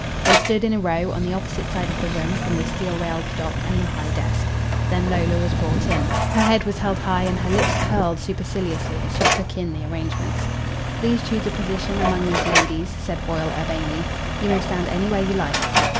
They stood in a row on the opposite side of the room from the steel railed dock and the high desk. Then Lola was brought in. Her head was held high, and her lips curled superciliously as she took in the arrangements. "Please choose a position among these ladies," said Foyle urbanely. "You may stand anywhere you like."